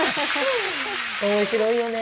・面白いよね。